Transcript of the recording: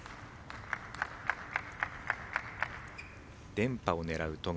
連覇を狙う戸上。